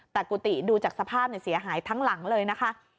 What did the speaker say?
แต่กุฏิดูจากสภาพเสียหายทั้งหลังเลยนะคะ